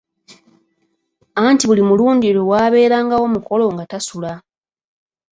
Anti buli mulundi lwe waabeerangawo omukolo nga tasula.